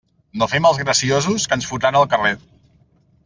No fem els graciosos, que ens fotran al carrer.